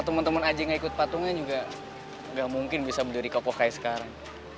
kalau temen temen aja nggak ikut patungnya juga nggak mungkin bisa berdiri kokoh kayak sekarang